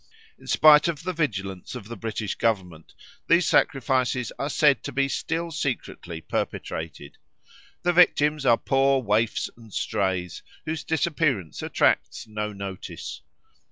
In spite of the vigilance of the British Government these sacrifices are said to be still secretly perpetrated. The victims are poor waifs and strays whose disappearance attracts no notice.